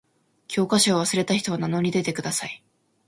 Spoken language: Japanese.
教科書を忘れた人は名乗り出てください。